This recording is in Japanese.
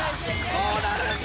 どうなるんだ？